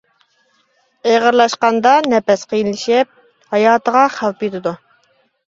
ئېغىرلاشقاندا نەپەس قىيىنلىشىپ ھاياتىغا خەۋپ يىتىدۇ.